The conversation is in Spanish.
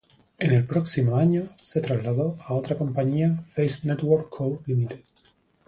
En el próximo año, se trasladó a otra compañía "Face Network Co., Ltd.